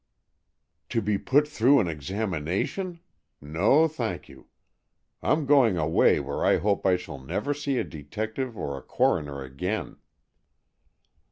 "To be put through an examination! No, thank you. I'm going away where I hope I shall never see a detective or a coroner again!"